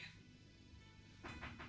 atau di nudita